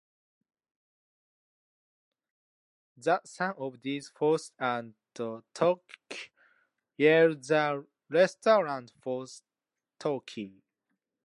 The sum of these forces and torques yields the resultant force-torque.